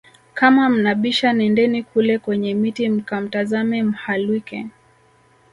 Kama mnabisha nendeni kule kwenye miti mkamtazame Mhalwike